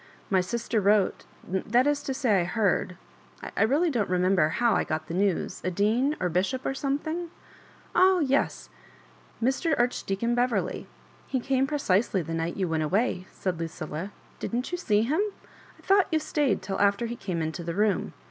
" My sister wrote—that is to say I heard — I really don't remember how I got the news a dean, or bishop, or something ?"" Oh yes, Mr. Archdeacon Beverley ; he came precisely the night you went away," said Lucilla "Didn't you see him? I thought you stayed till after he came into the room.